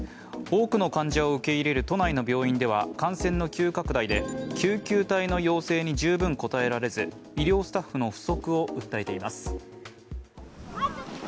多くの患者を受け入れる都内の病院では感染の急拡大で救急隊の要請に十分応えられず医療スタッフの不足を訴えています。